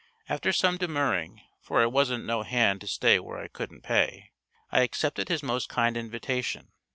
After some demurring, for I wan't no hand to stay where I couldn't pay, I accepted his most kind invitation.